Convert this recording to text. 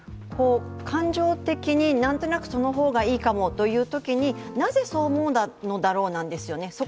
感情的に何となくその方がいいかもというときに、なぜそう思うのだろうなんですね。